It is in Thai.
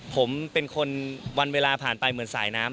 ผมเป็นคนวันเวลาผ่านไปเหมือนสายน้ำ